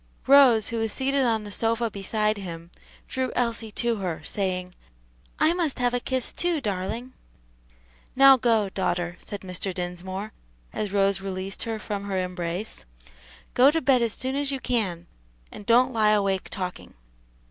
Rose, who was seated on the sofa beside him, drew Elsie to her, saying, "I must have a kiss, too, darling." "Now go, daughter," said Mr. Dinsmore, as Rose released her from her embrace, "go to bed as soon as you can, and don't lie awake talking."